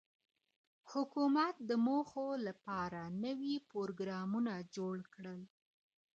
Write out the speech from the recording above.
حکومت د موخو له پاره نوي پروګرامونه جوړ کړل.